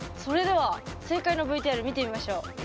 それでは正解のＶＴＲ見てみましょう。